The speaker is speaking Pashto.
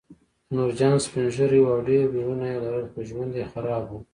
نورجان سپین ږیری و او ډېر ورېرونه یې لرل خو ژوند یې خراب و